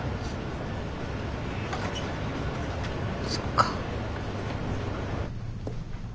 そっか。